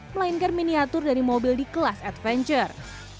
melainkan miniatur dari mobil di kelas adventure